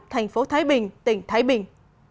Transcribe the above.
tp thái bình tỉnh thái bình